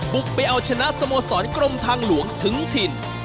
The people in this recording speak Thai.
บุกไปเอาชนะสโมสรกรมทางหลวงถึงถิ่น